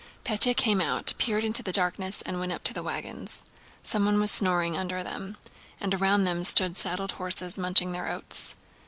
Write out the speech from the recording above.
Pétya came out, peered into the darkness, and went up to the wagons. Someone was snoring under them, and around them stood saddled horses munching their oats.